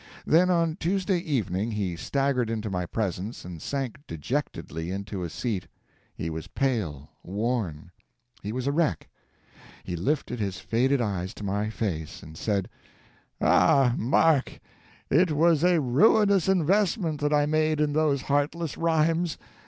Then, on Tuesday evening, he staggered into my presence and sank dejectedly into a seat. He was pale, worn; he was a wreck. He lifted his faded eyes to my face and said: "Ah, Mark, it was a ruinous investment that I made in those heartless rhymes.